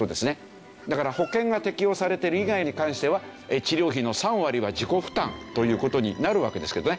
だから保険が適用されてる以外に関しては治療費の３割は自己負担という事になるわけですけどね。